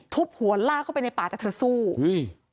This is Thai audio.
ทุบหัวลากเข้าไปในป่าแต่เธอสู้อุ้ย